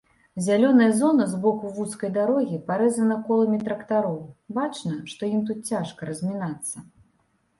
Зялёная зона збоку вузкай дарогі парэзана коламі трактароў, бачна, што ім тут цяжка размінацца.